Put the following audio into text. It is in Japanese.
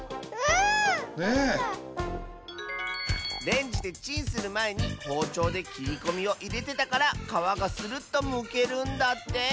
レンジでチンするまえにほうちょうできりこみをいれてたからかわがスルッとむけるんだって。